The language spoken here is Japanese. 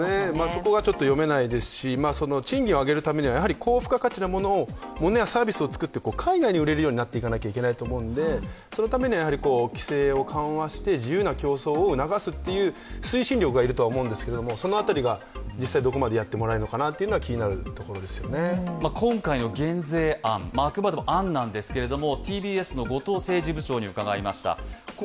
そこがちょっと読めないですし賃金を上げるためには、やはり高付加価値のものやサービスを作って海外に売れないといけないと思うんでそのためには規制を緩和して自由な競争を促すという推進力が要るとは思うんですけれどもその辺りが実際どこまでやってもらえるのか今回の減税案、あくまでも案なんですけれども。